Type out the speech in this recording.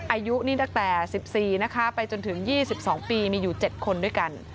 อายุนี่ตั้งแต่๑๔นะคะไปจนถึง๒๒ปีมีอยู่๗คนด้วยกัน